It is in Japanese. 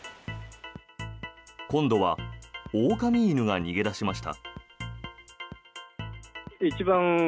今度は狼犬が逃げ出しました。